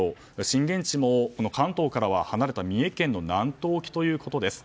震源地も関東から離れた三重県の南東沖ということです。